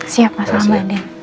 siap mas selamat mandi